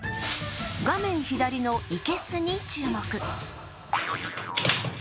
画面左の生けすに注目。